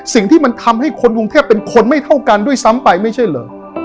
สิ่งที่มันทำให้คนกรุงเทพเป็นคนไม่เท่ากันด้วยซ้ำไปไม่ใช่เหรอ